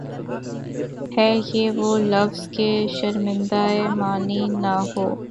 ہے یہ وہ لفظ کہ شرمندۂ معنی نہ ہوا